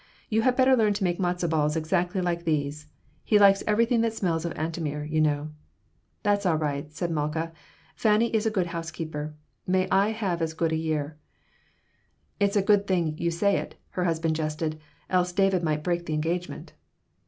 "You had better learn to make matzo balls exactly like these. He likes everything that smells of Antomir, you know." "That's all right," said Malkah. "Fanny is a good housekeeper. May I have as good a year." "It's a good thing you say it," her husband jested. "Else David might break the engagement."